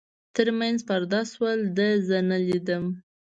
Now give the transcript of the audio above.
تر منځ پرده شول، ده زه نه لیدم.